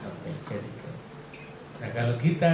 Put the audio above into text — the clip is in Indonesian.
nah kalau kita